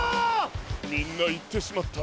みんないってしまった。